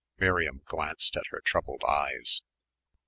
Miriam glanced at her troubled eyes.